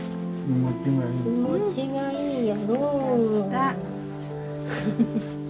気持ちがいいやろう？